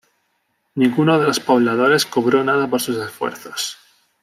Ninguno de los pobladores cobró nada por sus esfuerzos.